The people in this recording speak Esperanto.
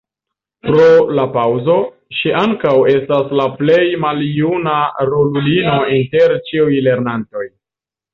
Pro la paŭzo, ŝi ankaŭ estas la plej maljuna rolulino inter ĉiuj lernantoj.